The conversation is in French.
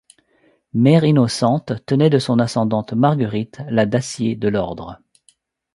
Mère Innocente tenait de son ascendante Marguerite, la Dacier de l’Ordre.